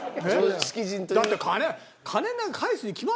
だって金。